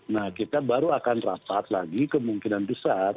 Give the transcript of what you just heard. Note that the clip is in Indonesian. nah kita baru akan rapat lagi kemungkinan besar